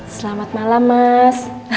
selamat malam mas